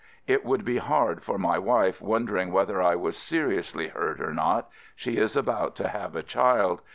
It would be hard for my wife wondering whether I was seriously hurt or not — she is about to have a child.